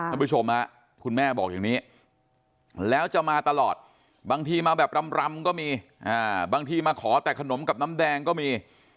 ท่านผู้ชมคุณแม่บอกอย่างนี้แล้วจะมาตลอดบางทีมาแบบรำก็มีบางทีมาขอแต่ขนมกับน้ำแดงก็มี